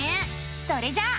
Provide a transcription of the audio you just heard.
それじゃあ。